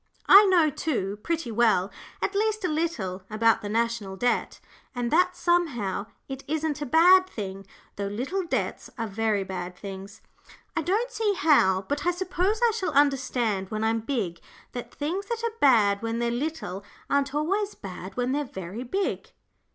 I know, too, pretty well at least a little about the National Debt, and that somehow it isn't a bad thing, though little debts are very bad things. I don't see how, but I suppose I shall understand when I'm big, that things that are bad when they're little aren't always bad when they're very big.